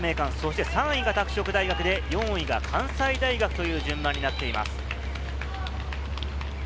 先頭・名城、２位は立命館、そして３位が拓殖大学で４位が関西大学という順番になっています。